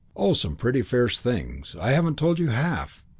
Oh, some pretty fierce things. I haven't told you half.